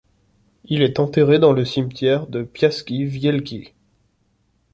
Il est enterré dans le cimetière de Piaski Wielkie.